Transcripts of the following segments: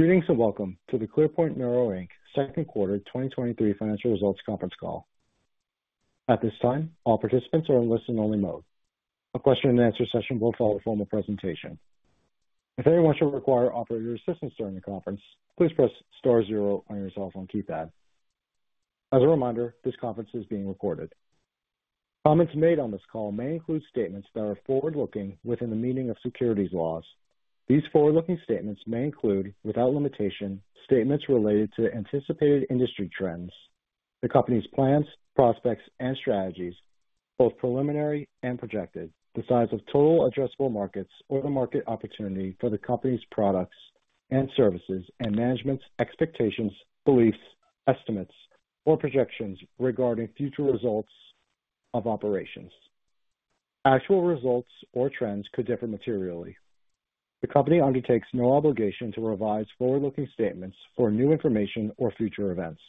Greetings, and welcome to the ClearPoint Neuro, Inc. second quarter 2023 financial results conference call. At this time, all participants are in listen-only mode. A question-and-answer session will follow the formal presentation. If anyone should require operator assistance during the conference, please press star zero on your telephone keypad. As a reminder, this conference is being recorded. Comments made on this call may include statements that are forward-looking within the meaning of securities laws. These forward-looking statements may include, without limitation, statements related to anticipated industry trends, the company's plans, prospects, and strategies, both preliminary and projected, the size of total addressable markets or the market opportunity for the company's products and services, and management's expectations, beliefs, estimates, or projections regarding future results of operations. Actual results or trends could differ materially. The company undertakes no obligation to revise forward-looking statements for new information or future events.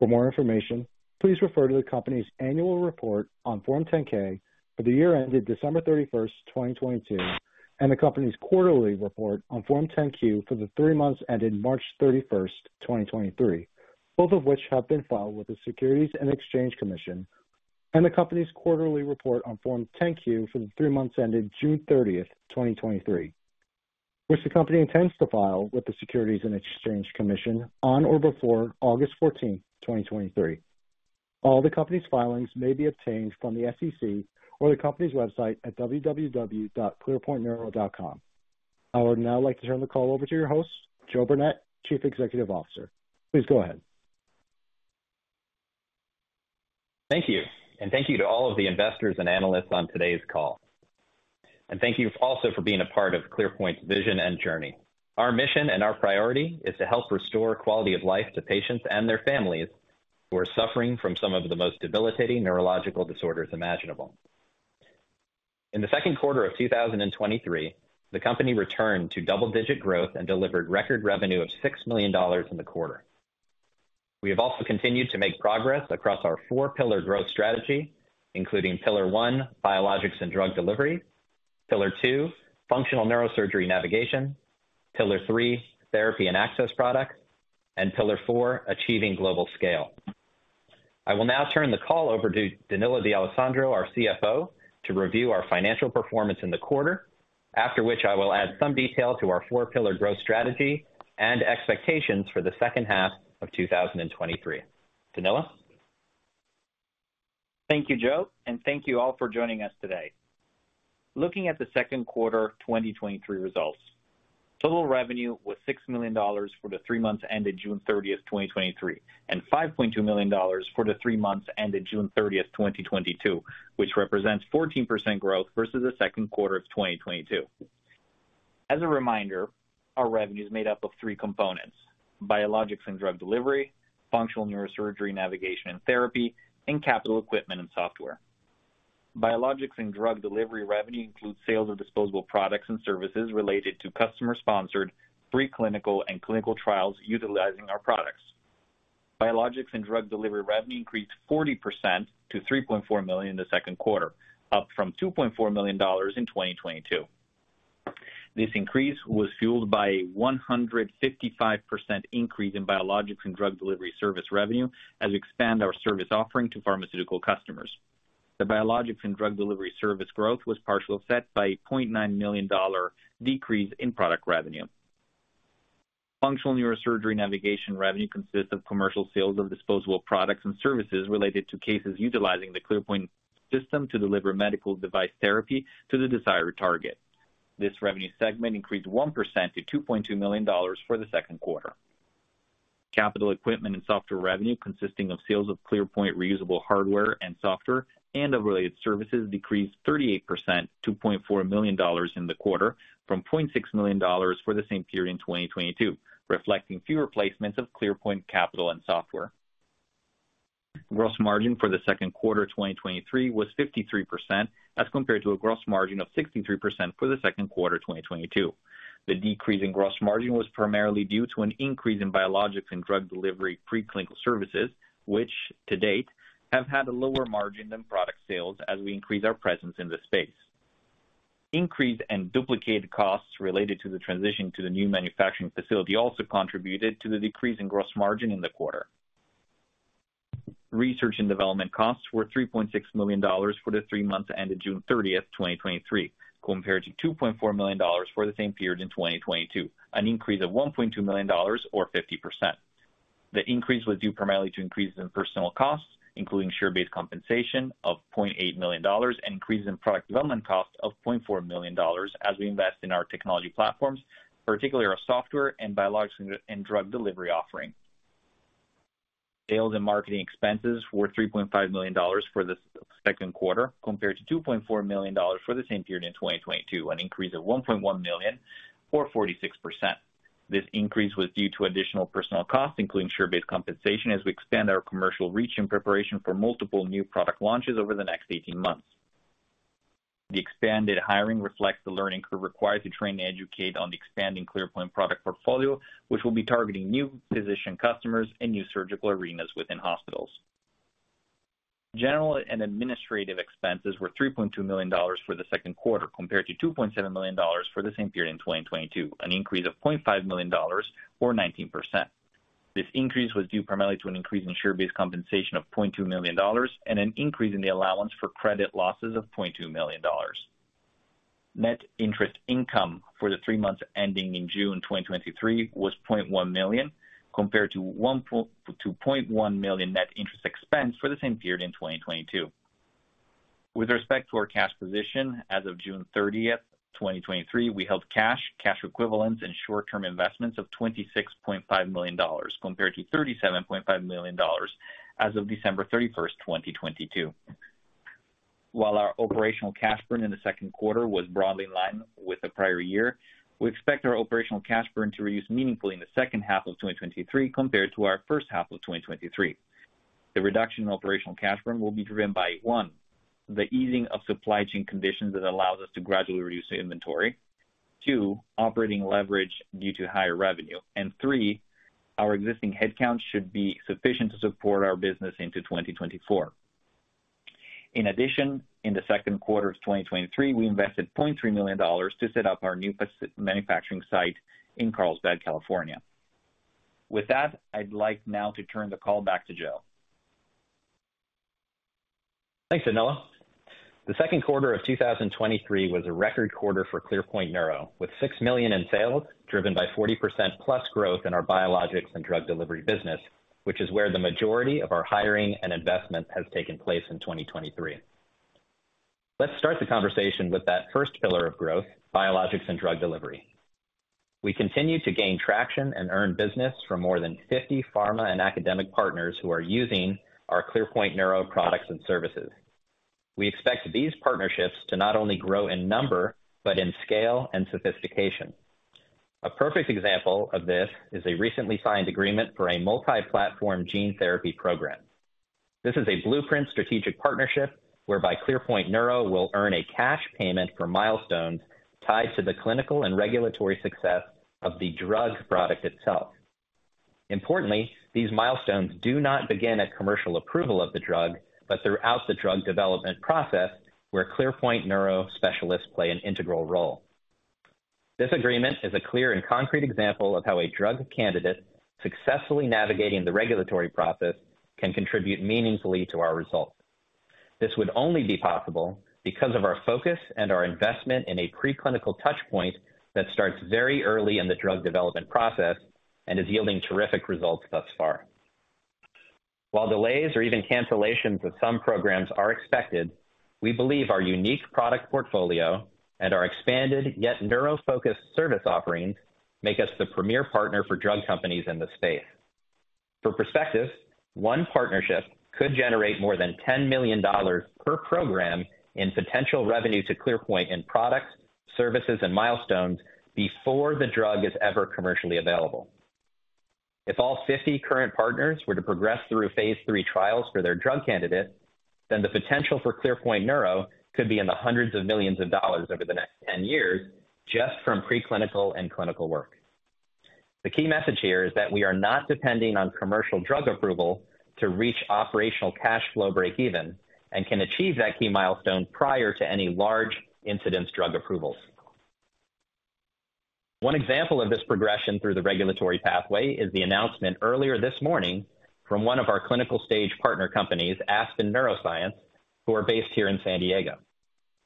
For more information, please refer to the company's annual report on Form 10-K for the year ended December 31st, 2022, and the company's quarterly report on Form 10-Q for the 3 months ended March 31st, 2023, both of which have been filed with the Securities and Exchange Commission, and the company's quarterly report on Form 10-Q for the 3 months ended June 30th, 2023, which the company intends to file with the Securities and Exchange Commission on or before August 14th, 2023. All the company's filings may be obtained from the SEC or the company's website at www.clearpointneuro.com. I would now like to turn the call over to your host, Joe Burnett, Chief Executive Officer. Please go ahead. Thank you, thank you to all of the investors and analysts on today's call. Thank you also for being a part of ClearPoint's vision and journey. Our mission and our priority is to help restore quality of life to patients and their families who are suffering from some of the most debilitating neurological disorders imaginable. In the second quarter of 2023, the company returned to double-digit growth and delivered record revenue of $6 million in the quarter. We have also continued to make progress across our four pillar growth strategy, including pillar one, biologics and drug delivery; pillar two, functional neurosurgery navigation; pillar three, therapy and access products; and pillar four, achieving global scale. I will now turn the call over to Danilo D'Alessandro, our CFO, to review our financial performance in the quarter, after which I will add some detail to our four pillar growth strategy and expectations for the second half of 2023. Danilo? Thank you, Joe, and thank you all for joining us today. Looking at the second quarter 2023 results, total revenue was $6 million for the 3 months ended June 30, 2023, and $5.2 million for the 3 months ended June 30, 2022, which represents 14% growth versus the second quarter of 2022. As a reminder, our revenue is made up of three components: biologics and drug delivery, functional neurosurgery, navigation and therapy, and capital equipment and software. Biologics and drug delivery revenue includes sales of disposable products and services related to customer-sponsored preclinical and clinical trials utilizing our products. Biologics and drug delivery revenue increased 40% to $3.4 million in the second quarter, up from $2.4 million in 2022. This increase was fueled by a 155% increase in biologics and drug delivery service revenue as we expand our service offering to pharmaceutical customers. The biologics and drug delivery service growth was partially offset by a $0.9 million decrease in product revenue. Functional neurosurgery navigation revenue consists of commercial sales of disposable products and services related to cases utilizing the ClearPoint system to deliver medical device therapy to the desired target. This revenue segment increased 1% to $2.2 million for the second quarter. Capital equipment and software revenue, consisting of sales of ClearPoint reusable hardware and software and of related services, decreased 38% to $0.4 million in the quarter from $0.6 million for the same period in 2022, reflecting fewer placements of ClearPoint capital and software. Gross margin for the second quarter of 2023 was 53%, as compared to a gross margin of 63% for the second quarter of 2022. The decrease in gross margin was primarily due to an increase in biologics and drug delivery preclinical services, which to date have had a lower margin than product sales as we increase our presence in this space. Increased and duplicated costs related to the transition to the new manufacturing facility also contributed to the decrease in gross margin in the quarter. Research and development costs were $3.6 million for the 3 months ended June 30th, 2023, compared to $2.4 million for the same period in 2022, an increase of $1.2 million, or 50%. The increase was due primarily to increases in personnel costs, including share-based compensation of $0.8 million, and increases in product development costs of $0.4 million as we invest in our technology platforms, particularly our software and biologics and drug delivery offering. Sales and marketing expenses were $3.5 million for the second quarter, compared to $2.4 million for the same period in 2022, an increase of $1.1 million, or 46%. This increase was due to additional personnel costs, including share-based compensation, as we expand our commercial reach in preparation for multiple new product launches over the next 18 months. The expanded hiring reflects the learning curve required to train and educate on the expanding ClearPoint product portfolio, which will be targeting new physician customers and new surgical arenas within hospitals. General and administrative expenses were $3.2 million for the second quarter, compared to $2.7 million for the same period in 2022, an increase of $0.5 million or 19%. This increase was due primarily to an increase in share-based compensation of $0.2 million and an increase in the allowance for credit losses of $0.2 million. Net interest income for the three months ending in June 2023 was $0.1 million, compared to $0.1 million net interest expense for the same period in 2022. With respect to our cash position, as of June 30, 2023, we held cash, cash equivalents, and short-term investments of $26.5 million, compared to $37.5 million as of December 31, 2022. While our operational cash burn in the second quarter was broadly in line with the prior year, we expect our operational cash burn to reduce meaningfully in the second half of 2023 compared to our first half of 2023. The reduction in operational cash burn will be driven by 1, the easing of supply chain conditions that allows us to gradually reduce the inventory. 2, operating leverage due to higher revenue. 3, our existing headcount should be sufficient to support our business into 2024. In addition, in the second quarter of 2023, we invested $0.3 million to set up our new pac- manufacturing site in Carlsbad, California. With that, I'd like now to turn the call back to Joe. Thanks, Danilo. The second quarter of 2023 was a record quarter for ClearPoint Neuro, with $6 million in sales, driven by 40%+ growth in our biologics and drug delivery business, which is where the majority of our hiring and investment has taken place in 2023. Let's start the conversation with that first pillar of growth, biologics and drug delivery. We continue to gain traction and earn business from more than 50 pharma and academic partners who are using our ClearPoint Neuro products and services. We expect these partnerships to not only grow in number, but in scale and sophistication. A perfect example of this is a recently signed agreement for a multi-platform gene therapy program. This is a blueprint strategic partnership whereby ClearPoint Neuro will earn a cash payment for milestones tied to the clinical and regulatory success of the drug product itself. Importantly, these milestones do not begin at commercial approval of the drug, but throughout the drug development process, where ClearPoint Neuro specialists play an integral role. This agreement is a clear and concrete example of how a drug candidate successfully navigating the regulatory process can contribute meaningfully to our results. This would only be possible because of our focus and our investment in a preclinical touch point that starts very early in the drug development process and is yielding terrific results thus far. While delays or even cancellations of some programs are expected, we believe our unique product portfolio and our expanded, yet neuro-focused service offerings, make us the premier partner for drug companies in the space. For perspective, one partnership could generate more than $10 million per program in potential revenue to ClearPoint in products, services, and milestones before the drug is ever commercially available. If all 50 current partners were to progress through phase 3 trials for their drug candidate, the potential for ClearPoint Neuro could be in the $ hundreds of millions over the next 10 years, just from preclinical and clinical work. The key message here is that we are not depending on commercial drug approval to reach operational cash flow breakeven and can achieve that key milestone prior to any large incidence drug approvals. One example of this progression through the regulatory pathway is the announcement earlier this morning from one of our clinical stage partner companies, Aspen Neuroscience, who are based here in San Diego.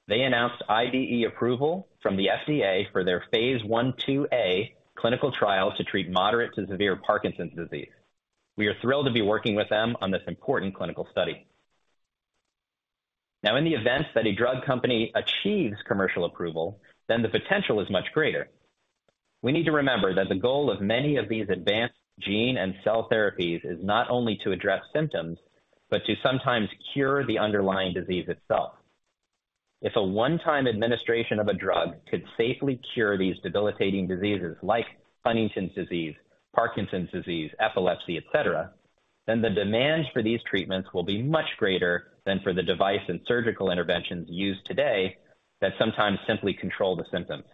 They announced IDE approval from the FDA for their phase 1, 2A clinical trials to treat moderate to severe Parkinson's disease. We are thrilled to be working with them on this important clinical study. In the event that a drug company achieves commercial approval, then the potential is much greater. We need to remember that the goal of many of these advanced gene and cell therapies is not only to address symptoms, but to sometimes cure the underlying disease itself. If a one-time administration of a drug could safely cure these debilitating diseases like Huntington's disease, Parkinson's disease, epilepsy, et cetera, then the demand for these treatments will be much greater than for the device and surgical interventions used today that sometimes simply control the symptoms.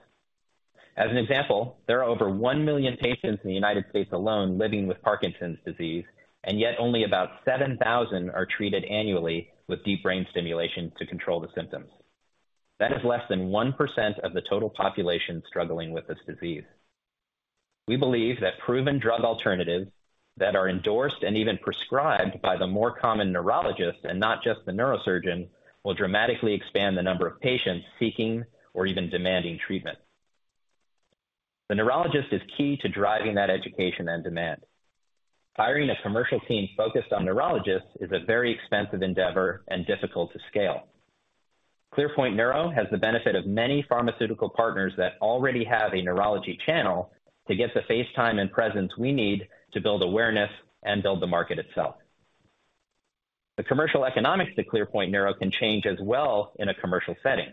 As an example, there are over 1 million patients in the United States alone living with Parkinson's disease, and yet only about 7,000 are treated annually with deep brain stimulation to control the symptoms. That is less than 1% of the total population struggling with this disease. We believe that proven drug alternatives that are endorsed and even prescribed by the more common neurologists, and not just the neurosurgeon, will dramatically expand the number of patients seeking or even demanding treatment. The neurologist is key to driving that education and demand. Hiring a commercial team focused on neurologists is a very expensive endeavor and difficult to scale. ClearPoint Neuro has the benefit of many pharmaceutical partners that already have a neurology channel to get the FaceTime and presence we need to build awareness and build the market itself. The commercial economics to ClearPoint Neuro can change as well in a commercial setting.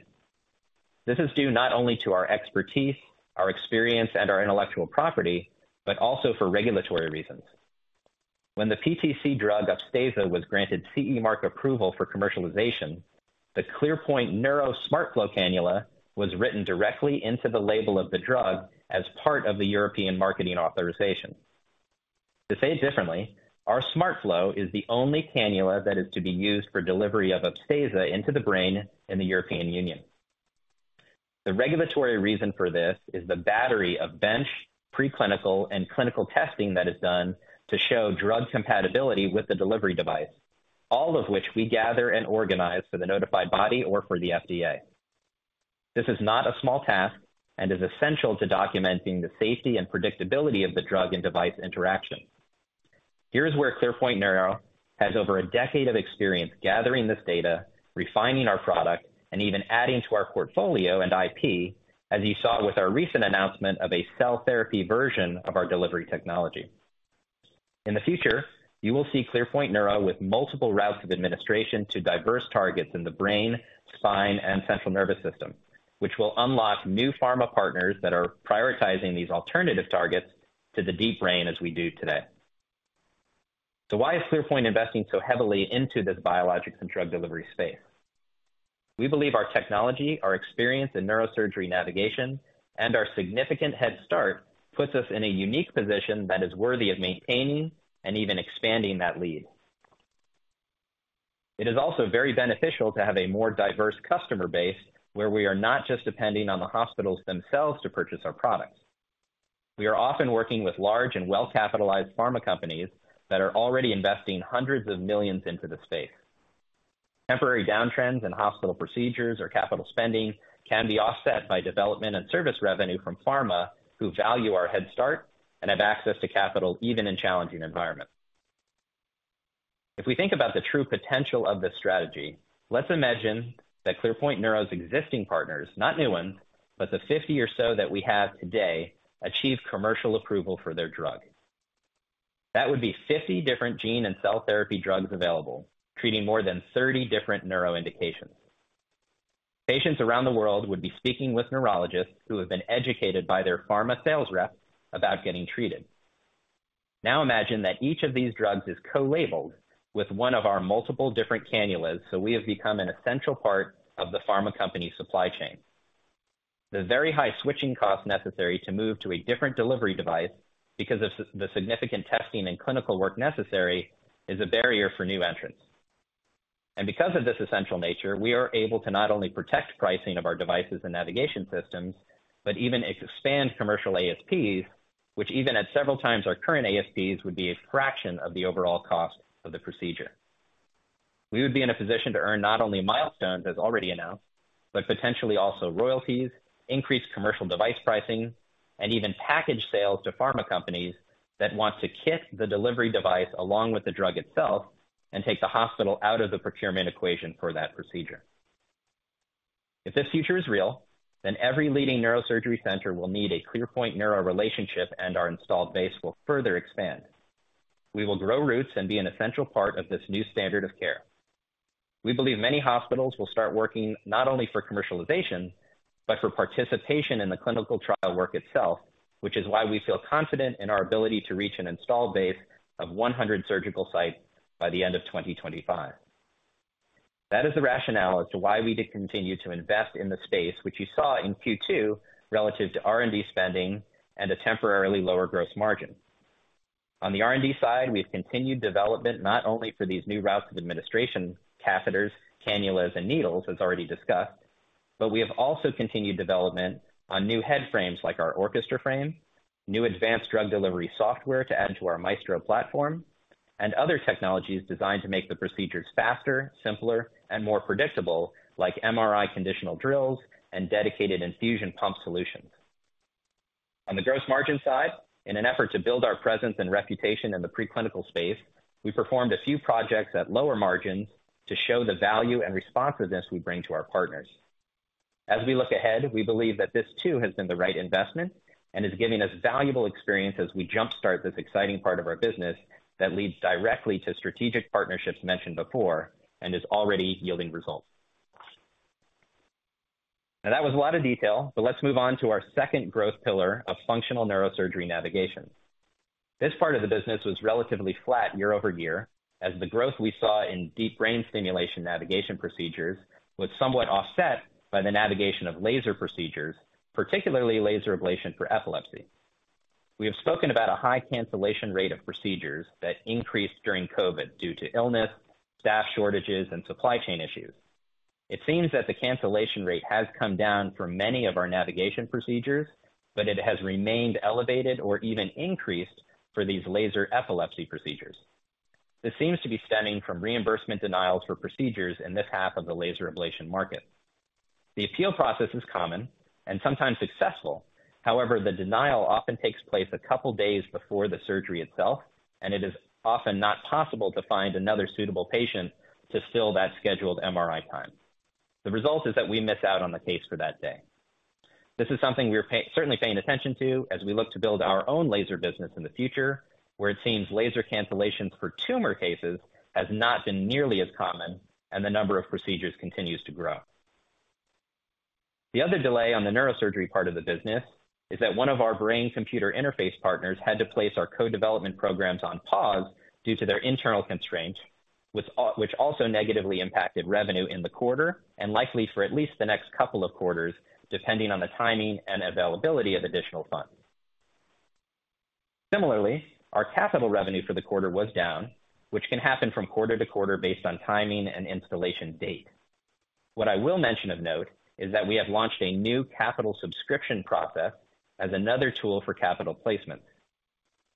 This is due not only to our expertise, our experience, and our intellectual property, but also for regulatory reasons. When the PTC Therapeutics drug Upstaza was granted CE Mark approval for commercialization, the ClearPoint Neuro SmartFlow cannula was written directly into the label of the drug as part of the European marketing authorization. To say it differently, our SmartFlow is the only cannula that is to be used for delivery of Upstaza into the brain in the European Union. The regulatory reason for this is the battery of bench, preclinical, and clinical testing that is done to show drug compatibility with the delivery device, all of which we gather and organize for the notified body or for the FDA. This is not a small task and is essential to documenting the safety and predictability of the drug and device interaction. Here's where ClearPoint Neuro has over a decade of experience gathering this data, refining our product, and even adding to our portfolio and IP, as you saw with our recent announcement of a cell therapy version of our delivery technology. In the future, you will see ClearPoint Neuro with multiple routes of administration to diverse targets in the brain, spine, and central nervous system, which will unlock new pharma partners that are prioritizing these alternative targets to the deep brain, as we do today. Why is ClearPoint investing so heavily into this biologics and drug delivery space? We believe our technology, our experience in neurosurgery navigation, and our significant head start puts us in a unique position that is worthy of maintaining and even expanding that lead. It is also very beneficial to have a more diverse customer base, where we are not just depending on the hospitals themselves to purchase our products. We are often working with large and well-capitalized pharma companies that are already investing hundreds of millions into the space. Temporary downtrends in hospital procedures or capital spending can be offset by development and service revenue from pharma, who value our head start and have access to capital even in challenging environments. If we think about the true potential of this strategy, let's imagine that ClearPoint Neuro's existing partners, not new ones, but the 50 or so that we have today, achieve commercial approval for their drug. That would be 50 different gene and cell therapy drugs available, treating more than 30 different neuro indications. Patients around the world would be speaking with neurologists who have been educated by their pharma sales rep about getting treated. Imagine that each of these drugs is co-labeled with one of our multiple different cannulas, so we have become an essential part of the pharma company's supply chain. The very high switching costs necessary to move to a different delivery device because of the significant testing and clinical work necessary, is a barrier for new entrants. Because of this essential nature, we are able to not only protect pricing of our devices and navigation systems, but even expand commercial ASPs, which even at several times our current ASPs, would be a fraction of the overall cost of the procedure. We would be in a position to earn not only milestones, as already announced, but potentially also royalties, increased commercial device pricing, and even package sales to pharma companies that want to kit the delivery device along with the drug itself and take the hospital out of the procurement equation for that procedure. If this future is real, then every leading neurosurgery center will need a ClearPoint Neuro relationship, and our installed base will further expand. We will grow roots and be an essential part of this new standard of care. We believe many hospitals will start working not only for commercialization, but for participation in the clinical trial work itself, which is why we feel confident in our ability to reach an installed base of 100 surgical sites by the end of 2025. That is the rationale as to why we continue to invest in the space, which you saw in Q2, relative to R&D spending and a temporarily lower gross margin. On the R&D side, we've continued development not only for these new routes of administration, catheters, cannulas, and needles, as already discussed, but we have also continued development on new head frames like our Orchestra frame, new advanced drug delivery software to add to our Maestro platform, and other technologies designed to make the procedures faster, simpler, and more predictable, like MRI conditional drills and dedicated infusion pump solutions. On the gross margin side, in an effort to build our presence and reputation in the preclinical space, we performed a few projects at lower margins to show the value and responsiveness we bring to our partners. As we look ahead, we believe that this too, has been the right investment and is giving us valuable experience as we jumpstart this exciting part of our business that leads directly to strategic partnerships mentioned before and is already yielding results. Now, that was a lot of detail, but let's move on to our second growth pillar of functional neurosurgery navigation. This part of the business was relatively flat year-over-year, as the growth we saw in deep brain stimulation navigation procedures was somewhat offset by the navigation of laser procedures, particularly laser ablation for epilepsy. We have spoken about a high cancellation rate of procedures that increased during COVID due to illness, staff shortages, and supply chain issues. It seems that the cancellation rate has come down for many of our navigation procedures, but it has remained elevated or even increased for these laser epilepsy procedures. This seems to be stemming from reimbursement denials for procedures in this half of the laser ablation market. The appeal process is common and sometimes successful. However, the denial often takes place a couple days before the surgery itself, and it is often not possible to find another suitable patient to fill that scheduled MRI time. The result is that we miss out on the case for that day. This is something we are certainly paying attention to as we look to build our own laser business in the future, where it seems laser cancellations for tumor cases has not been nearly as common and the number of procedures continues to grow. The other delay on the neurosurgery part of the business is that one of our brain-computer interface partners had to place our co-development programs on pause due to their internal constraints. which also negatively impacted revenue in the quarter, and likely for at least the next couple of quarters, depending on the timing and availability of additional funds. Similarly, our capital revenue for the quarter was down, which can happen from quarter to quarter based on timing and installation date. What I will mention of note is that we have launched a new capital subscription process as another tool for capital placement.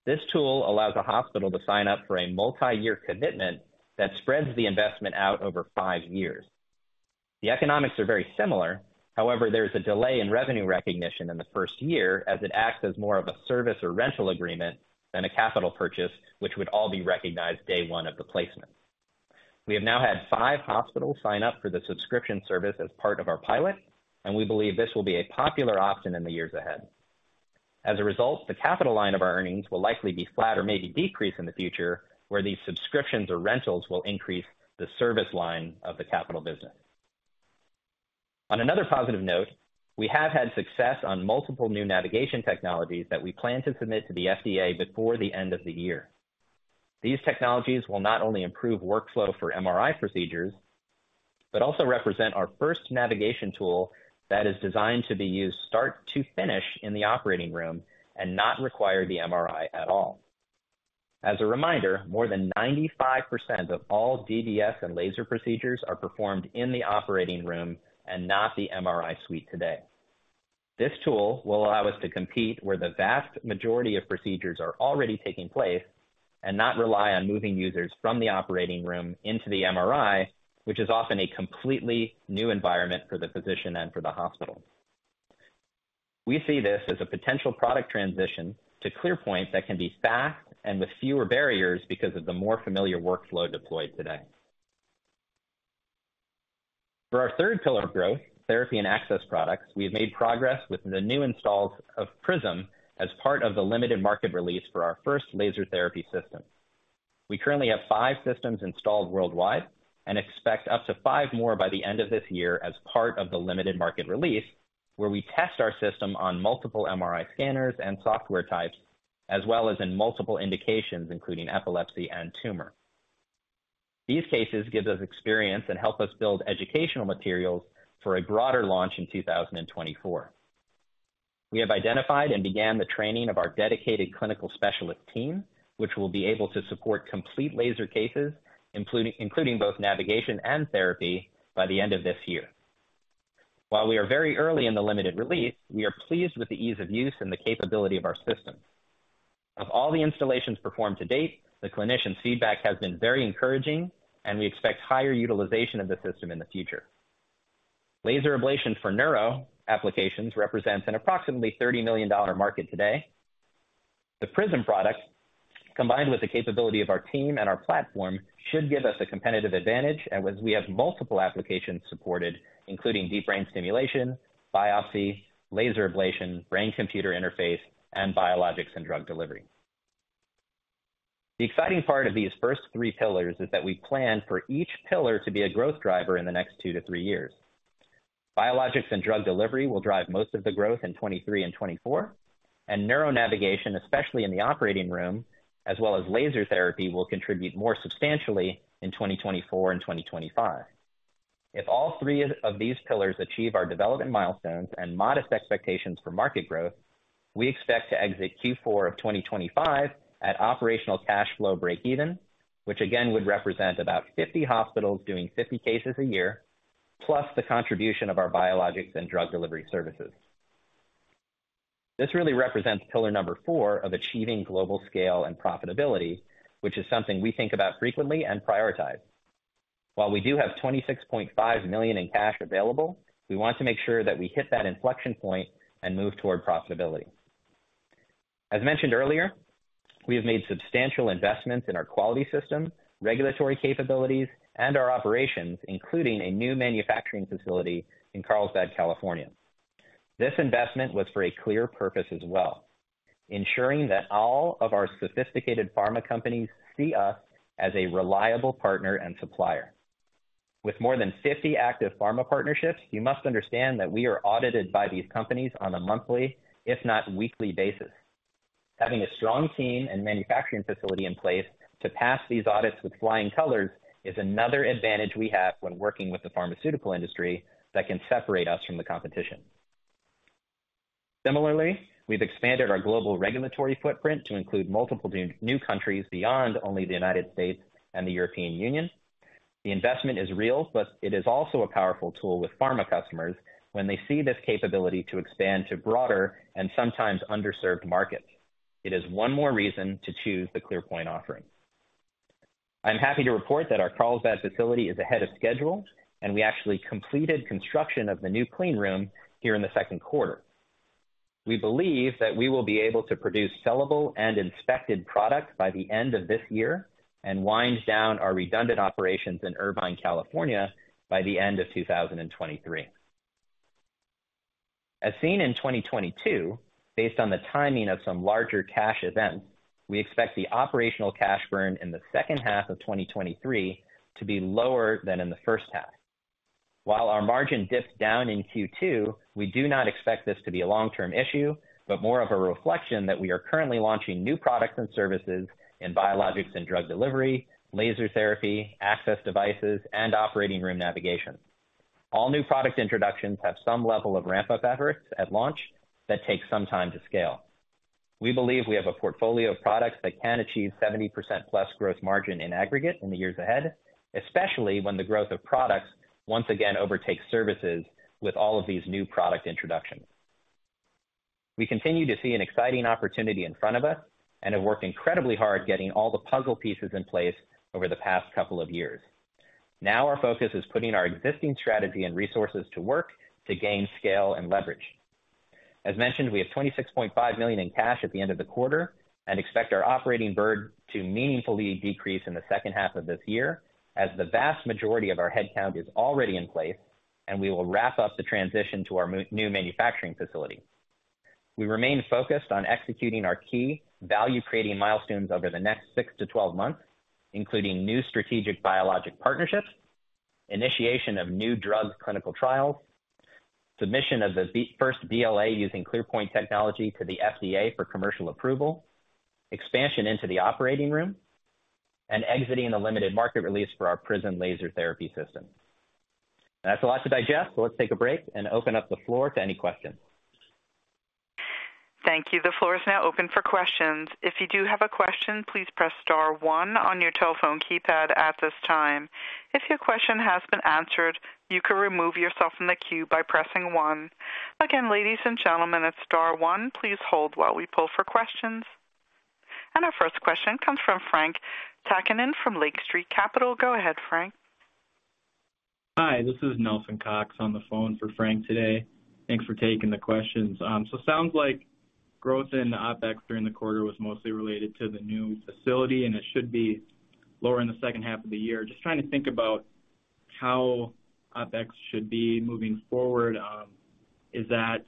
This tool allows a hospital to sign up for a multi-year commitment that spreads the investment out over five years. The economics are very similar; however, there is a delay in revenue recognition in the first year, as it acts as more of a service or rental agreement than a capital purchase, which would all be recognized day one of the placement. We have now had five hospitals sign up for the subscription service as part of our pilot, and we believe this will be a popular option in the years ahead. As a result, the capital line of our earnings will likely be flat or maybe decrease in the future, where these subscriptions or rentals will increase the service line of the capital business. On another positive note, we have had success on multiple new navigation technologies that we plan to submit to the FDA before the end of the year. These technologies will not only improve workflow for MRI procedures, but also represent our first navigation tool that is designed to be used start to finish in the operating room and not require the MRI at all. As a reminder, more than 95% of all DBS and laser procedures are performed in the operating room and not the MRI suite today. This tool will allow us to compete where the vast majority of procedures are already taking place and not rely on moving users from the operating room into the MRI, which is often a completely new environment for the physician and for the hospital. We see this as a potential product transition to ClearPoint that can be fast and with fewer barriers because of the more familiar workflow deployed today. For our third pillar of growth, therapy and access products, we have made progress with the new installs of Prism as part of the limited market release for our first laser therapy system. We currently have five systems installed worldwide and expect up to five more by the end of this year as part of the limited market release, where we test our system on multiple MRI scanners and software types, as well as in multiple indications, including epilepsy and tumor. These cases give us experience and help us build educational materials for a broader launch in 2024. We have identified and began the training of our dedicated clinical specialist team, which will be able to support complete laser cases, including both navigation and therapy, by the end of this year. While we are very early in the limited release, we are pleased with the ease of use and the capability of our system. Of all the installations performed to date, the clinician feedback has been very encouraging, and we expect higher utilization of the system in the future. Laser ablation for neuro applications represents an approximately $30 million market today. The Prism product, combined with the capability of our team and our platform, should give us a competitive advantage, and as we have multiple applications supported, including deep brain stimulation, biopsy, laser ablation, brain-computer interface, and biologics and drug delivery. The exciting part of these first three pillars is that we plan for each pillar to be a growth driver in the next two to three years. Biologics and drug delivery will drive most of the growth in 2023 and 2024, and neuro navigation, especially in the operating room, as well as laser therapy, will contribute more substantially in 2024 and 2025. If all three of these pillars achieve our development milestones and modest expectations for market growth, we expect to exit Q4 of 2025 at operational cash flow breakeven, which again, would represent about 50 hospitals doing 50 cases a year, plus the contribution of our biologics and drug delivery services. This really represents pillar number four of achieving global scale and profitability, which is something we think about frequently and prioritize. While we do have $26.5 million in cash available, we want to make sure that we hit that inflection point and move toward profitability. As mentioned earlier, we have made substantial investments in our quality system, regulatory capabilities, and our operations, including a new manufacturing facility in Carlsbad, California. This investment was for a clear purpose as well, ensuring that all of our sophisticated pharma companies see us as a reliable partner and supplier. With more than 50 active pharma partnerships, you must understand that we are audited by these companies on a monthly, if not weekly, basis. Having a strong team and manufacturing facility in place to pass these audits with flying colors is another advantage we have when working with the pharmaceutical industry that can separate us from the competition. Similarly, we've expanded our global regulatory footprint to include multiple new countries beyond only the United States and the European Union. The investment is real, but it is also a powerful tool with pharma customers when they see this capability to expand to broader and sometimes underserved markets. It is 1 more reason to choose the ClearPoint offering. I'm happy to report that our Carlsbad facility is ahead of schedule, and we actually completed construction of the new clean room here in the second quarter. We believe that we will be able to produce sellable and inspected products by the end of this year and wind down our redundant operations in Irvine, California, by the end of 2023. As seen in 2022, based on the timing of some larger cash events, we expect the operational cash burn in the second half of 2023 to be lower than in the first half. While our margin dipped down in Q2, we do not expect this to be a long-term issue, but more of a reflection that we are currently launching new products and services in biologics and drug delivery, laser therapy, access devices, and operating room navigation. All new product introductions have some level of ramp-up efforts at launch that take some time to scale. We believe we have a portfolio of products that can achieve 70%+ growth margin in aggregate in the years ahead, especially when the growth of products once again overtakes services with all of these new product introductions. We continue to see an exciting opportunity in front of us and have worked incredibly hard getting all the puzzle pieces in place over the past couple of years. Now, our focus is putting our existing strategy and resources to work to gain scale and leverage. As mentioned, we have $26.5 million in cash at the end of the quarter and expect our operating burn to meaningfully decrease in the second half of this year, as the vast majority of our headcount is already in place, and we will wrap up the transition to our new manufacturing facility. We remain focused on executing our key value-creating milestones over the next six to twelve months, including new strategic biologic partnerships, initiation of new drug clinical trials, submission of the first BLA using ClearPoint technology to the FDA for commercial approval, expansion into the operating room, and exiting the limited market release for our Prism laser therapy system. That's a lot to digest, so let's take a break and open up the floor to any questions. Thank you. The floor is now open for questions. If you do have a question, please press star one on your telephone keypad at this time. If your question has been answered, you can remove yourself from the queue by pressing one. Again, ladies and gentlemen, it's star one. Please hold while we pull for questions. Our first question comes from Frank Takkunen from Lake Street Capital. Go ahead, Frank. Hi, this is Nelson Cox on the phone for Frank today. Thanks for taking the questions. Sounds like growth in OpEx during the quarter was mostly related to the new facility, and it should be lower in the second half of the year. Just trying to think about how OpEx should be moving forward. Is that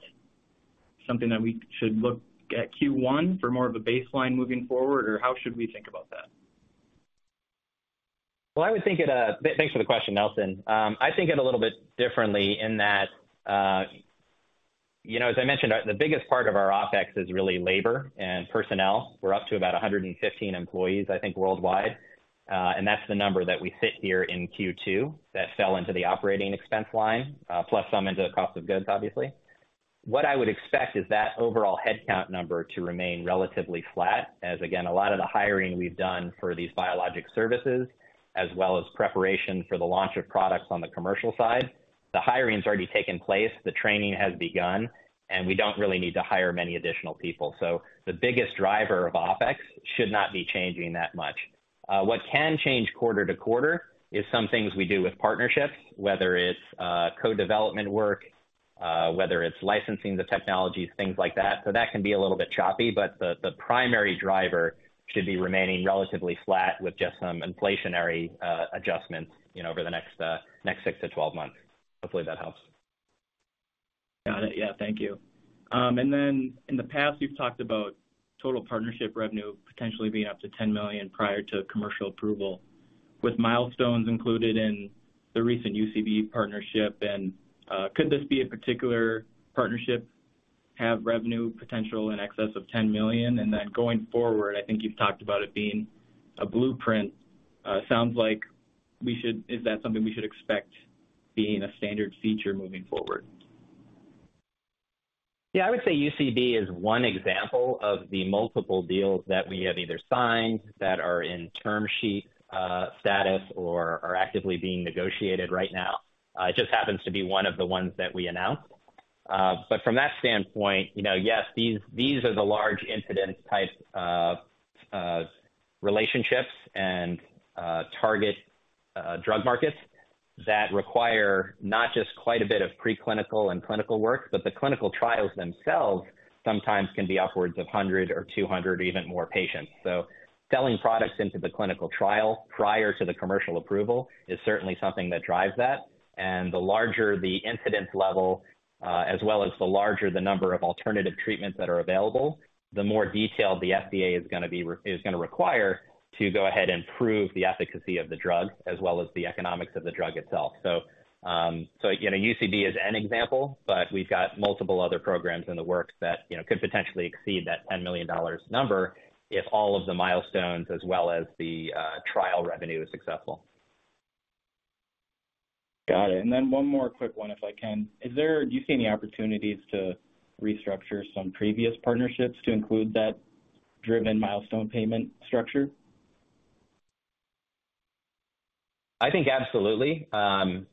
something that we should look at Q1 for more of a baseline moving forward, or how should we think about that? Well, I would think it. Thanks for the question, Nelson. I think it a little bit differently in that, you know, as I mentioned, our, the biggest part of our OpEx is really labor and personnel. We're up to about 115 employees, I think, worldwide, and that's the number that we sit here in Q2 that fell into the operating expense line, plus some into the cost of goods, obviously. What I would expect is that overall headcount number to remain relatively flat, as, again, a lot of the hiring we've done for these biologic services, as well as preparation for the launch of products on the commercial side, the hiring has already taken place, the training has begun, and we don't really need to hire many additional people. The biggest driver of OpEx should not be changing that much. What can change quarter to quarter is some things we do with partnerships, whether it's co-development work, whether it's licensing the technologies, things like that. That can be a little bit choppy, but the, the primary driver should be remaining relatively flat with just some inflationary adjustments, you know, over the next 6-12 months. Hopefully, that helps. Got it. Yeah, thank you. In the past, you've talked about total partnership revenue potentially being up to $10 million prior to commercial approval, with milestones included in the recent UCB partnership, could this be a particular partnership, have revenue potential in excess of $10 million? Going forward, I think you've talked about it being a blueprint, is that something we should expect being a standard feature moving forward? I would say UCB is one example of the multiple deals that we have either signed, that are in term sheet, status or are actively being negotiated right now. It just happens to be one of the ones that we announced. But from that standpoint, you know, yes, these, these are the large incident type, relationships and, target, drug markets that require not just quite a bit of preclinical and clinical work, but the clinical trials themselves sometimes can be upwards of 100 or 200 or even more patients. Selling products into the clinical trial prior to the commercial approval is certainly something that drives that. The larger the incidence level, as well as the larger the number of alternative treatments that are available, the more detailed the FDA is going to require to go ahead and prove the efficacy of the drug, as well as the economics of the drug itself. So again, UCB is an example, but we've got multiple other programs in the works that, you know, could potentially exceed that $10 million number if all of the milestones as well as the trial revenue is successful. Got it. Then one more quick one, if I can. Do you see any opportunities to restructure some previous partnerships to include that driven milestone payment structure? I think absolutely.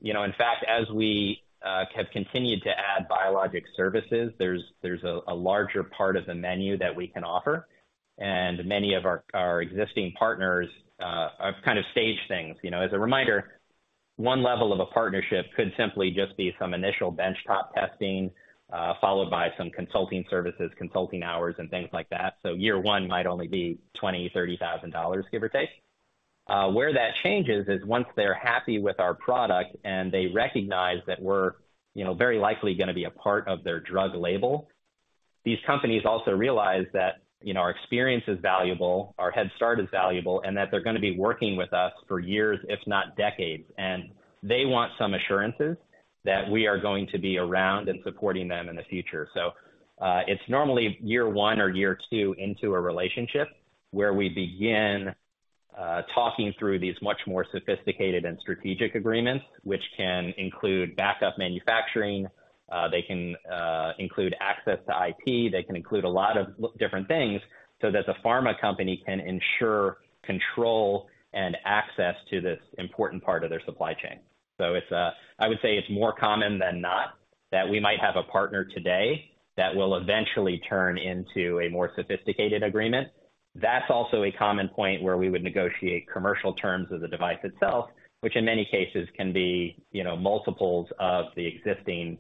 You know, in fact, as we have continued to add biologic services, there's, there's a, a larger part of the menu that we can offer, and many of our, our existing partners have kind of staged things. You know, as a reminder, 1 level of a partnership could simply just be some initial benchtop testing, followed by some consulting services, consulting hours, and things like that. Year 1 might only be $20,000-$30,000, give or take. Where that changes is once they're happy with our product and they recognize that we're, you know, very likely going to be a part of their drug label. These companies also realize that, you know, our experience is valuable, our head start is valuable, and that they're going to be working with us for years, if not decades. They want some assurances that we are going to be around and supporting them in the future. It's normally year one or year two into a relationship where we begin talking through these much more sophisticated and strategic agreements, which can include backup manufacturing, they can include access to IT, they can include a lot of different things so that the pharma company can ensure control and access to this important part of their supply chain. It's, I would say it's more common than not that we might have a partner today that will eventually turn into a more sophisticated agreement. That's also a common point where we would negotiate commercial terms of the device itself, which in many cases can be, you know, multiples of the existing,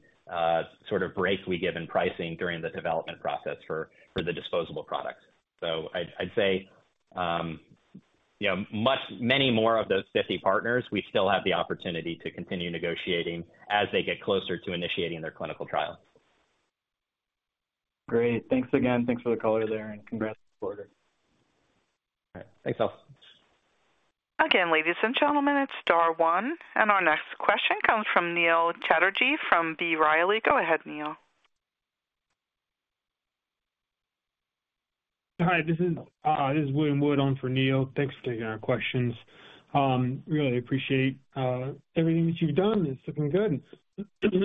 sort of break we give in pricing during the development process for, for the disposable products. I'd, I'd say, you know, many more of those 50 partners, we still have the opportunity to continue negotiating as they get closer to initiating their clinical trial. Great. Thanks again. Thanks for the color there. Congrats on the quarter. All right. Thanks, Nelson. Again, ladies and gentlemen, it's star one, and our next question comes from Neil Chatterji from B. Riley. Go ahead, Neil. Hi, this is, this is William Wood on for Neil. Thanks for taking our questions. Really appreciate everything that you've done. It's looking good.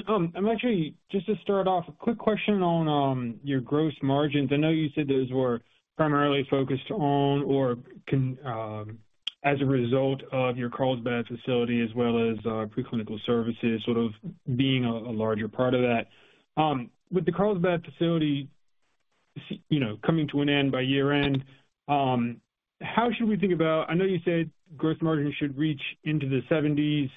I'm actually, just to start off, a quick question on your gross margins. I know you said those were primarily focused on, or can, as a result of your Carlsbad facility, as well as, preclinical services sort of being a, a larger part of that. With the Carlsbad facility, you know, coming to an end by year-end, how should we think about... I know you said gross margin should reach into the 70s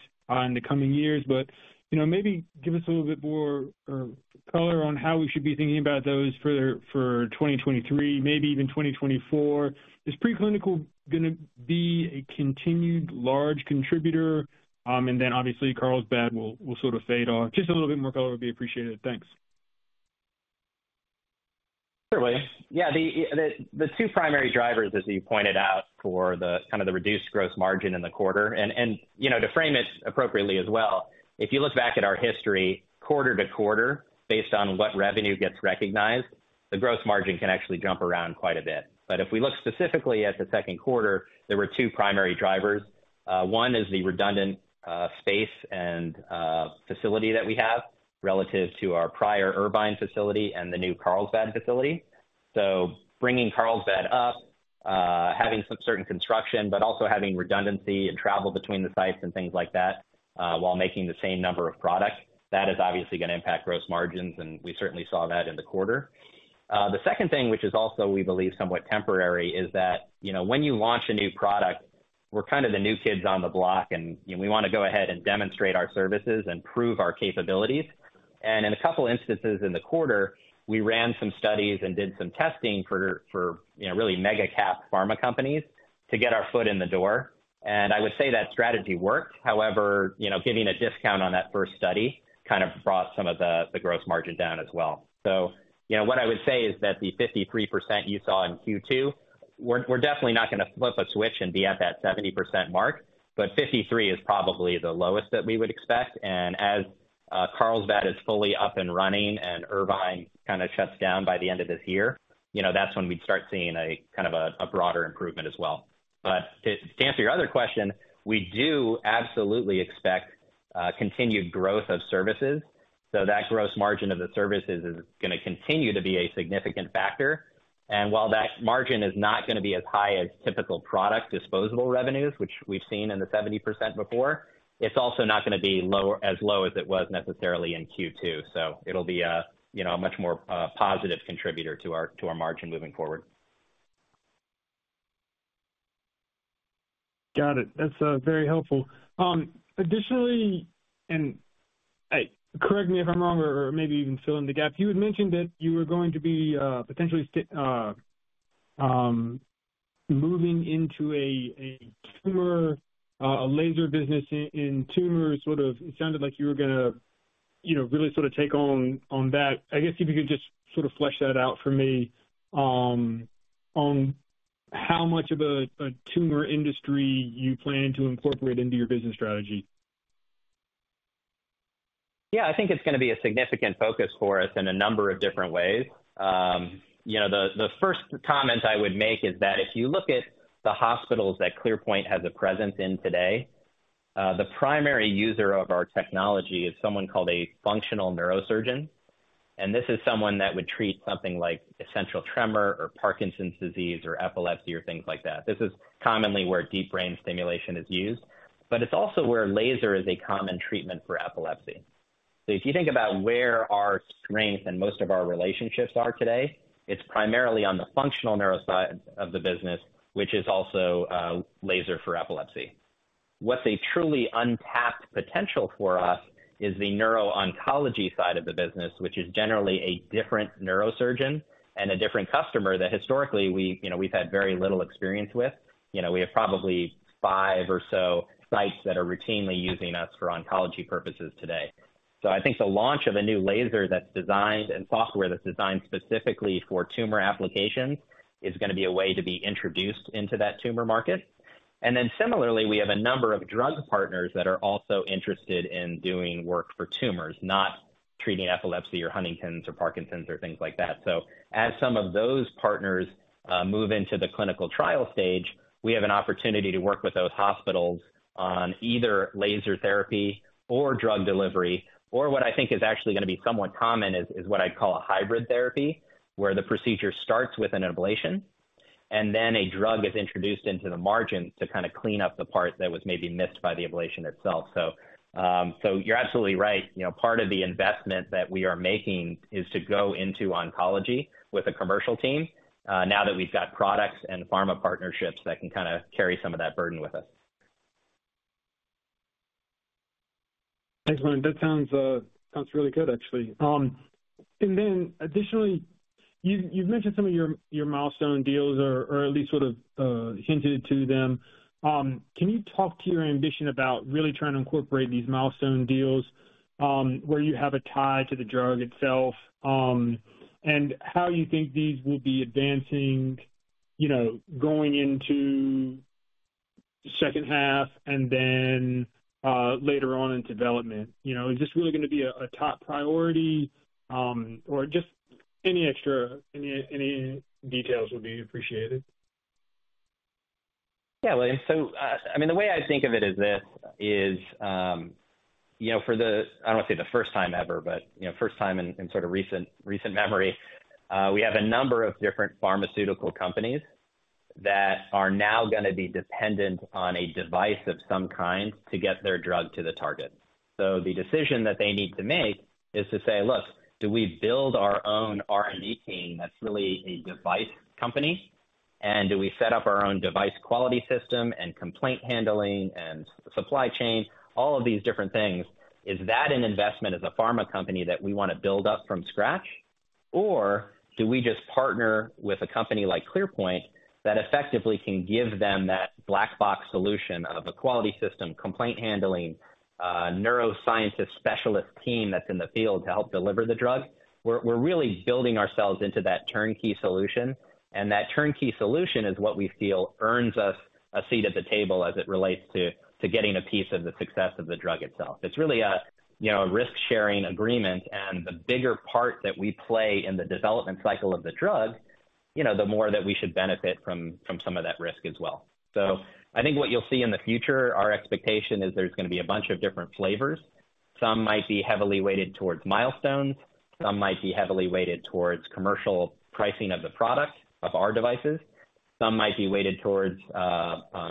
in the coming years, but, you know, maybe give us a little bit more, or color on how we should be thinking about those for, for 2023, maybe even 2024. Is preclinical going to be a continued large contributor? Then obviously Carlsbad will, will sort of fade off. Just a little bit more color would be appreciated. Thanks. Sure, William. The two primary drivers, as you pointed out, for the kind of the reduced gross margin in the quarter and, you know, to frame it appropriately as well, if you look back at our history, quarter to quarter, based on what revenue gets recognized, the gross margin can actually jump around quite a bit. If we look specifically at the second quarter, there were two primary drivers. One is the redundant space and facility that we have relative to our prior Irvine facility and the new Carlsbad facility. Bringing Carlsbad up, having some certain construction, but also having redundancy and travel between the sites and things like that, while making the same number of products, that is obviously going to impact gross margins, and we certainly saw that in the quarter. The second thing, which is also, we believe, somewhat temporary, is that, you know, when you launch a new product, we're kind of the new kids on the block and, you know, we want to go ahead and demonstrate our services and prove our capabilities. And in a couple instances in the quarter, we ran some studies and did some testing for, for, you know, really mega cap pharma companies to get our foot in the door. And I would say that strategy worked. However, you know, giving a discount on that first study kind of brought some of the, the gross margin down as well. So, you know, what I would say is that the 53% you saw in Q2, we're, we're definitely not going to flip a switch and be at that 70% mark, but 53 is probably the lowest that we would expect. As Carlsbad is fully up and running and Irvine kind of shuts down by the end of this year, you know, that's when we'd start seeing a, kind of a, a broader improvement as well. To, to answer your other question, we do absolutely expect continued growth of services. That gross margin of the services is going to continue to be a significant factor. While that margin is not going to be as high as typical product disposable revenues, which we've seen in the 70% before, it's also not going to be lower-- as low as it was necessarily in Q2. It'll be a, you know, a much more positive contributor to our, to our margin moving forward. Got it. That's very helpful. Additionally, and, hey, correct me if I'm wrong or, or maybe even fill in the gap. You had mentioned that you were going to be potentially moving into a, a tumor, a laser business in tumors. Sort of it sounded like you were gonna, you know, really sort of take on, on that. I guess if you could just sort of flesh that out for me, on how much of a, a tumor industry you plan to incorporate into your business strategy? Yeah, I think it's going to be a significant focus for us in a number of different ways. you know, the, the first comment I would make is that if you look at the hospitals that ClearPoint has a presence in today, the primary user of our technology is someone called a functional neurosurgeon, and this is someone that would treat something like essential tremor or Parkinson's disease, or epilepsy, or things like that. This is commonly where deep brain stimulation is used, but it's also where laser is a common treatment for epilepsy. If you think about where our strength and most of our relationships are today, it's primarily on the functional neuroside of the business, which is also, laser for epilepsy. What's a truly untapped potential for us is the neuro-oncology side of the business, which is generally a different neurosurgeon.... A different customer that historically we, you know, we've had very little experience with. You know, we have probably five or so sites that are routinely using us for oncology purposes today. I think the launch of a new laser that's designed and software that's designed specifically for tumor applications, is gonna be a way to be introduced into that tumor market. Then similarly, we have a number of drug partners that are also interested in doing work for tumors, not treating epilepsy or Huntington's or Parkinson's or things like that. As some of those partners move into the clinical trial stage, we have an opportunity to work with those hospitals on either laser therapy or drug delivery, or what I think is actually gonna be somewhat common is, is what I call a hybrid therapy, where the procedure starts with an ablation and then a drug is introduced into the margin to kind of clean up the part that was maybe missed by the ablation itself. You're absolutely right. You know, part of the investment that we are making is to go into oncology with a commercial team, now that we've got products and pharma partnerships that can kind of carry some of that burden with us. Thanks, William. That sounds, sounds really good, actually. Additionally, you, you've mentioned some of your, your milestone deals or, or at least sort of, hinted to them. Can you talk to your ambition about really trying to incorporate these milestone deals, where you have a tie to the drug itself, and how you think these will be advancing, you know, going into second half and then later on in development? You know, is this really gonna be a, a top priority? Just any extra, any, any details would be appreciated. Yeah, well, I mean, the way I think of it is this, is, you know, for the... I don't want to say the first time ever, but, you know, first time in, in sort of recent, recent memory, we have a number of different pharmaceutical companies that are now gonna be dependent on a device of some kind to get their drug to the target. The decision that they need to make is to say, "Look, do we build our own R&D team that's really a device company? Do we set up our own device quality system and complaint handling and supply chain, all of these different things? Is that an investment as a pharma company that we want to build up from scratch? Do we just partner with a company like ClearPoint that effectively can give them that black box solution of a quality system, complaint handling, neuroscientist specialist team that's in the field to help deliver the drug?" We're, we're really building ourselves into that turnkey solution, and that turnkey solution is what we feel earns us a seat at the table as it relates to, to getting a piece of the success of the drug itself. It's really a, you know, a risk-sharing agreement, and the bigger part that we play in the development cycle of the drug, you know, the more that we should benefit from, from some of that risk as well. I think what you'll see in the future, our expectation is there's gonna be a bunch of different flavors. Some might be heavily weighted towards milestones, some might be heavily weighted towards commercial pricing of the product, of our devices. Some might be weighted towards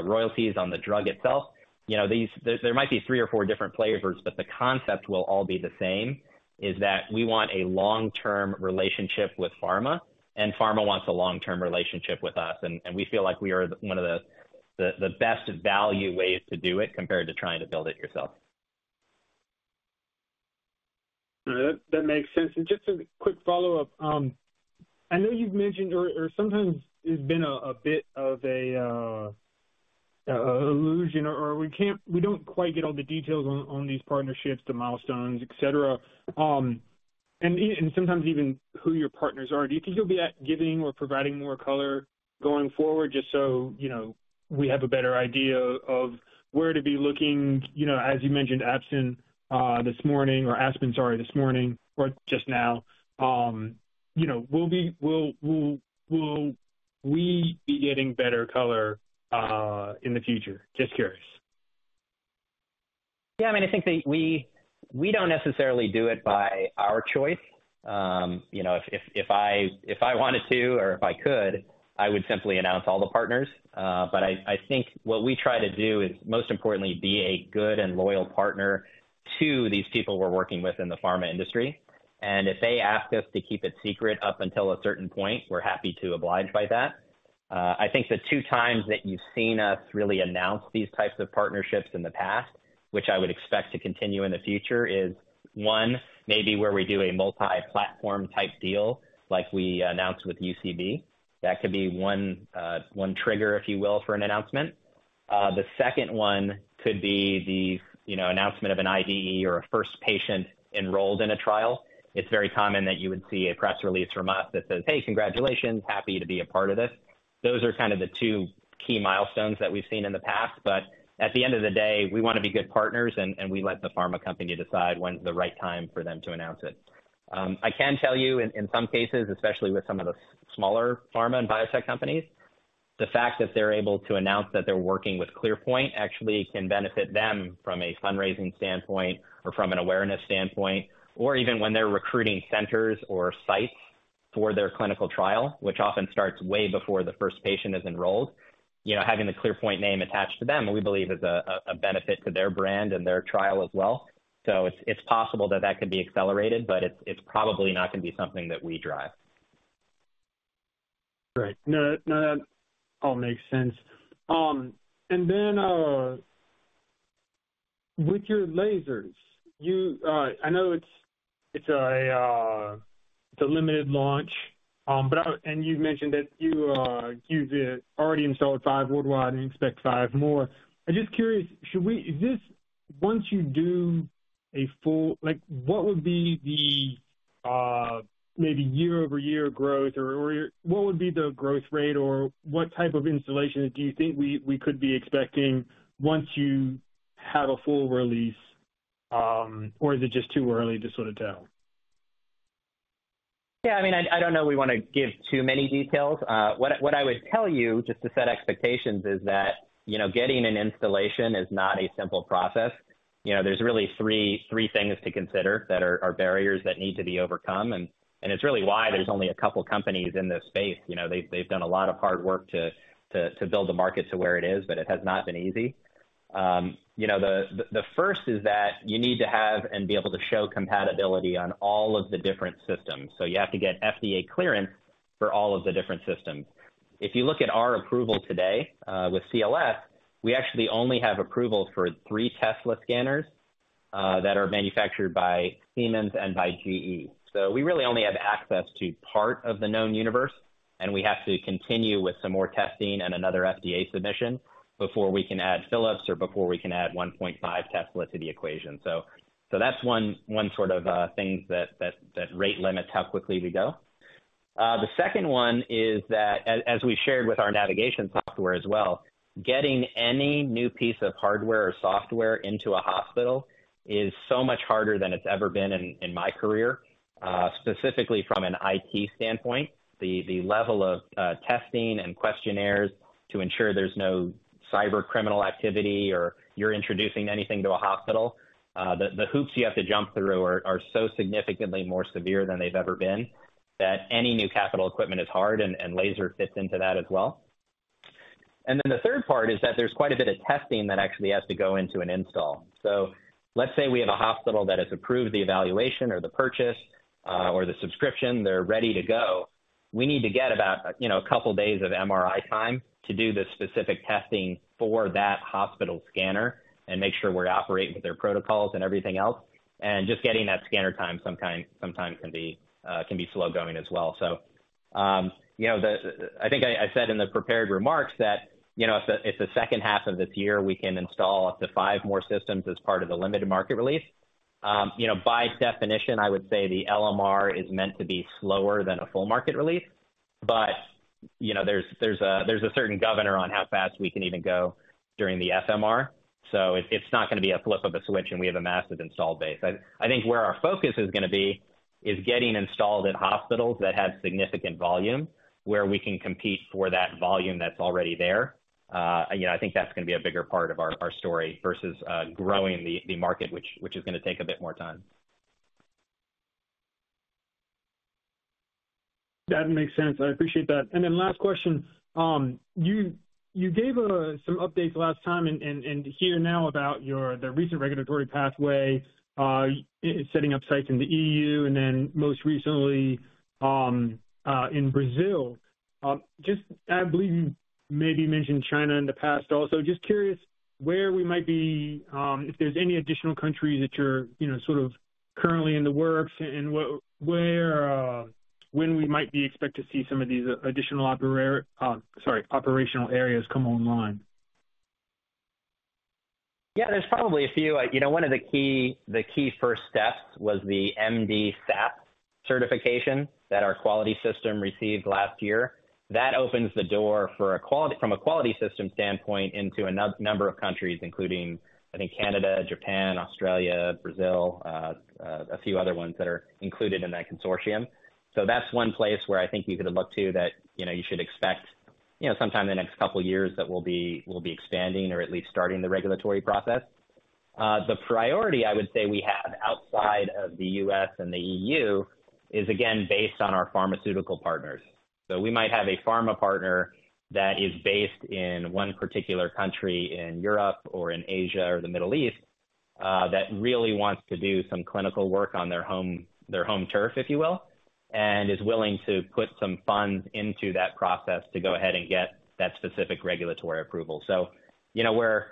royalties on the drug itself. You know, there, there might be three or four different flavors, but the concept will all be the same, is that we want a long-term relationship with pharma, and pharma wants a long-term relationship with us, and, and we feel like we are one of the, the, the best value ways to do it, compared to trying to build it yourself. That, that makes sense. Just a quick follow-up. I know you've mentioned, or, or sometimes it's been a, a bit of a illusion, or we don't quite get all the details on, on these partnerships, the milestones, et cetera. Sometimes even who your partners are. Do you think you'll be at giving or providing more color going forward just so, you know, we have a better idea of where to be looking, you know, as you mentioned, Aspen this morning, or Aspen, sorry, this morning or just now. You know, will we be getting better color in the future? Just curious. Yeah, I mean, I think that we, we don't necessarily do it by our choice. You know, if, if, if I, if I wanted to or if I could, I would simply announce all the partners. But I, I think what we try to do is, most importantly, be a good and loyal partner to these people we're working with in the pharma industry. If they ask us to keep it secret up until a certain point, we're happy to oblige by that. I think the two times that you've seen us really announce these types of partnerships in the past, which I would expect to continue in the future, is one, maybe where we do a multi-platform type deal like we announced with UCB. That could be one, one trigger, if you will, for an announcement. The second one could be the, you know, announcement of an IDE or a first patient enrolled in a trial. It's very common that you would see a press release from us that says, "Hey, congratulations. Happy to be a part of this." Those are kind of the two key milestones that we've seen in the past, but at the end of the day, we want to be good partners, and we let the pharma company decide when the right time for them to announce it. I can tell you in, in some cases, especially with some of the smaller pharma and biotech companies, the fact that they're able to announce that they're working with ClearPoint actually can benefit them from a fundraising standpoint or from an awareness standpoint, or even when they're recruiting centers or sites for their clinical trial, which often starts way before the first patient is enrolled. You know, having the ClearPoint name attached to them, we believe is a, a benefit to their brand and their trial as well. It's, it's possible that that could be accelerated, but it's, it's probably not going to be something that we drive. Great. No, no, that all makes sense. Then, with your lasers, I know it's a limited launch. You've mentioned that you've already installed 5 worldwide and expect 5 more. I'm just curious, like, what would be the maybe year-over-year growth, or what would be the growth rate, or what type of installation do you think we could be expecting once you have a full release? Or is it just too early to sort of tell? Yeah, I mean, I, I don't know we want to give too many details. What I, what I would tell you, just to set expectations, is that, you know, getting an installation is not a simple process. You know, there's really three, three things to consider that are, are barriers that need to be overcome, and, and it's really why there's only a couple companies in this space. You know, they've, they've done a lot of hard work to, to, to build the market to where it is, but it has not been easy. You know, the, the first is that you need to have and be able to show compatibility on all of the different systems. You have to get FDA clearance for all of the different systems. If you look at our approval today, with CLS, we actually only have approval for 3 Tesla scanners that are manufactured by Siemens and by GE. We really only have access to part of the known universe, and we have to continue with some more testing and another FDA submission before we can add Philips or before we can add 1.5 Tesla to the equation. That's one, one sort of things that, that, that rate limits how quickly we go. The second one is that as, as we shared with our navigation software as well, getting any new piece of hardware or software into a hospital is so much harder than it's ever been in, in my career, specifically from an IT standpoint. The, the level of testing and questionnaires to ensure there's no cyber criminal activity, or you're introducing anything to a hospital, the, the hoops you have to jump through are, are so significantly more severe than they've ever been, that any new capital equipment is hard, and, and laser fits into that as well. The third part is that there's quite a bit of testing that actually has to go into an install. Let's say we have a hospital that has approved the evaluation or the purchase, or the subscription, they're ready to go. We need to get about, you know, a couple days of MRI time to do the specific testing for that hospital scanner and make sure we're operating with their protocols and everything else. Just getting that scanner time sometimes, sometimes can be slow going as well. You know, I think I said in the prepared remarks that, you know, if the, if the second half of this year, we can install up to five more systems as part of the limited market release. You know, by definition, I would say the LMR is meant to be slower than a full market release, there's a certain governor on how fast we can even go during the FMR, so it's not going to be a flip of a switch, we have a massive install base. I think where our focus is gonna be is getting installed at hospitals that have significant volume, where we can compete for that volume that's already there. You know, I think that's gonna be a bigger part of our, our story versus, growing the, the market, which, which is gonna take a bit more time. That makes sense. I appreciate that. Last question. You, you gave some updates last time and, and, and hear now about your, the recent regulatory pathway, setting up sites in the EU and then most recently, in Brazil. Just I believe you maybe mentioned China in the past also. Just curious where we might be, if there's any additional countries that you're, you know, sort of currently in the works and what, where, when we might be expect to see some of these additional sorry, operational areas come online? Yeah, there's probably a few. You know, one of the key, the key first steps was the MDSAP certification that our quality system received last year. That opens the door from a quality system standpoint, into a number of countries, including, I think, Canada, Japan, Australia, Brazil, a few other ones that are included in that consortium. That's one place where I think you could look to that, you know, you should expect, you know, sometime in the next couple of years that we'll be, we'll be expanding or at least starting the regulatory process. The priority I would say we have outside of the U.S. and the E.U. is again, based on our pharmaceutical partners. We might have a pharma partner that is based in one particular country in Europe or in Asia or the Middle East, that really wants to do some clinical work on their home, their home turf, if you will, and is willing to put some funds into that process to go ahead and get that specific regulatory approval. You know, we're,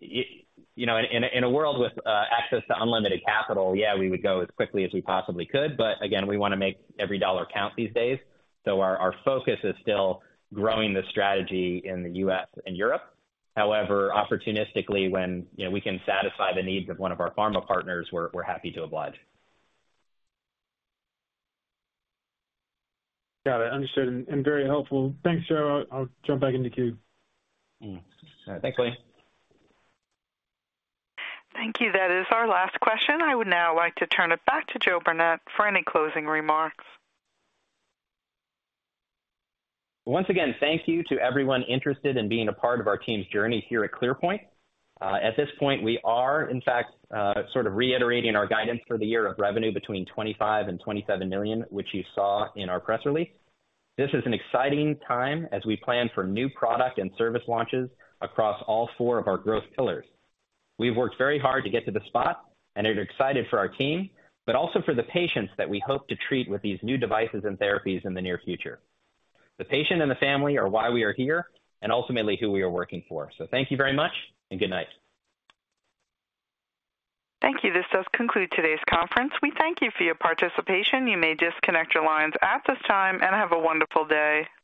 you know, in a world with access to unlimited capital, yeah, we would go as quickly as we possibly could, but again, we want to make every dollar count these days. Our focus is still growing the strategy in the U.S. and Europe. However, opportunistically, when, you know, we can satisfy the needs of one of our pharma partners, we're, we're happy to oblige. Got it. Understood and very helpful. Thanks, Joe. I'll jump back in the queue. Mm-hmm. Thanks, William. Thank you. That is our last question. I would now like to turn it back to Joe Burnett for any closing remarks. Once again, thank you to everyone interested in being a part of our team's journey here at ClearPoint. At this point, we are in fact, sort of reiterating our guidance for the year of revenue between $25 million and $27 million, which you saw in our press release. This is an exciting time as we plan for new product and service launches across all four of our growth pillars. We've worked very hard to get to this spot and are excited for our team, but also for the patients that we hope to treat with these new devices and therapies in the near future. The patient and the family are why we are here and ultimately who we are working for. Thank you very much and good night. Thank you. This does conclude today's conference. We thank you for your participation. You may disconnect your lines at this time and have a wonderful day.